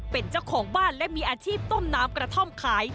เป็นเจ้าของบ้านและมีอาชีพต้มน้ำกระท่อมขาย